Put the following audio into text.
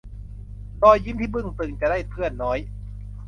รอยยิ้มที่บึ้งตึงจะได้เพื่อนน้อย